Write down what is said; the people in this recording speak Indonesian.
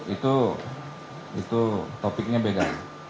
itu itu topiknya beda